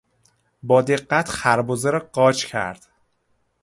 با دقت خربزه را قاچ کرد.